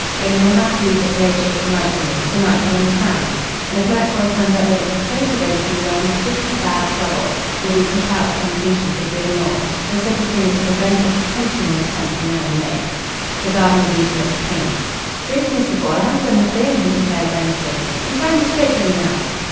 Only you'll have to leave the Palatial to night, Jimmy to night, do you understand? And if Maxwell turns up with a complaint against you there'll be pretty bad trouble. You'll be put out of temptation for good and all. There's such a thing as preventive detention in this country now, you know." The Garden of Eden looked pained. "Truth, Mr. Foyle, I haven't done a thing," he declared earnestly. "I'm trying the straight game now."